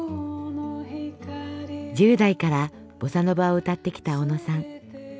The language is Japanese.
１０代からボサノバを歌ってきた小野さん。